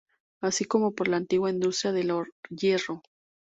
Así como por la antigua industria del hierro.